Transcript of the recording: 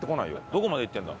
どこまで行ってるんだ？